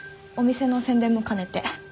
お店の宣伝も兼ねて。